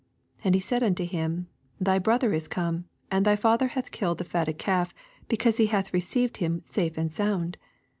27 And he said unto him, Thv brother is come ; and thy father hatn killed the fatted calf, because he hath received him safe and sound.